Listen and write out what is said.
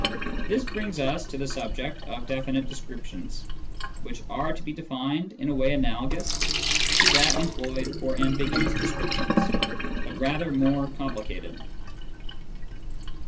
This brings us to the subject of definite descriptions, which are to be defined in a way analogous to that employed for ambiguous descriptions, but rather more complicated.